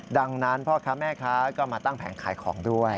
ดังนั้นพ่อค้าแม่ค้าก็มาตั้งแผงขายของด้วย